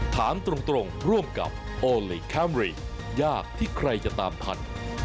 ถามตรงร่วมกับโอลี่คัมรี่ยากที่ใครจะตามทัน